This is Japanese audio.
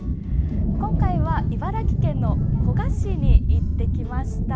今回は茨城県の古河市に行ってきました。